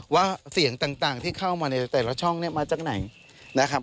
ว่าเสียงต่างที่เข้ามาในแต่ละช่องเนี่ยมาจากไหนนะครับ